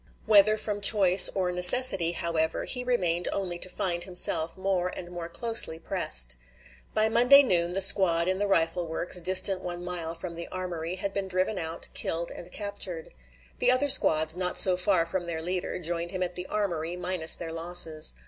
Whether from choice or necessity, however, he remained only to find himself more and more closely pressed. By Monday noon the squad in the rifle works, distant one mile from the armory, had been driven out, killed, and captured. The other squads, not so far from their leader, joined him at the armory, minus their losses.